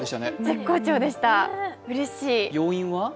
絶好調でした、うれしい。